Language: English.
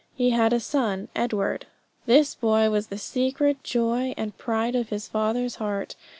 He had one son, Edward. This boy was the secret joy and pride of his father's heart.